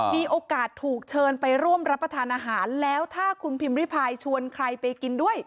มีโอกาสถูกเชิญไปร่วมรับประทานอาหารแล้วถ้าคุณพิมพ์ริพายชวนใครไปกินด้วย